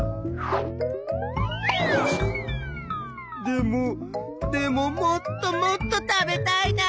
でもでももっともっと食べたいな。